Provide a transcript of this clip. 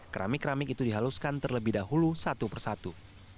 keramik keramik itu dihaluskan terlebih dahulu satu persatu